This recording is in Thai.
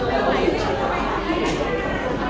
ที่เจนนี่ของกล้องนี้นะคะ